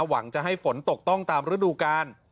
หวังจะให้ฝนตกต้องตามฤดูกาล